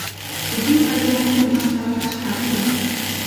Путилка денак окнам шалаташ каньыле.